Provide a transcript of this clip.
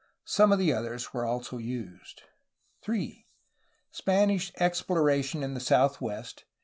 Some of the others were also used. 3. Spanish exploration in the south west.